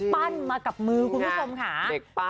มากับมือคุณผู้ชมค่ะ